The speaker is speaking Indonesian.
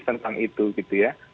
hanya ada yang mendaftar